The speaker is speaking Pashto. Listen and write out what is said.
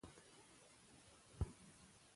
دوی د پښتنو په مخالفت پوهېدلې وو.